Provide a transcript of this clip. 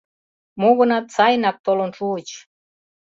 Мо-гынат, сайынак толын шуыч.